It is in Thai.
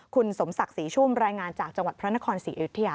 คุณสมศักดิ์ศรีชุ่มรายงานจากจังหวัดพระนครศรีอยุธยา